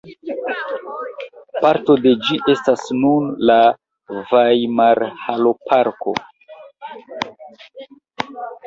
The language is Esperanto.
Parto de ĝi estas nun la Vajmarhaloparko.